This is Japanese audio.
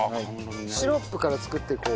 シロップから作っていこう。